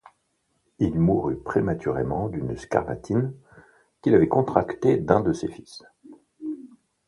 Il mourut prématurément d’une scarlatine qu’il avait contractée d’un de ses fils.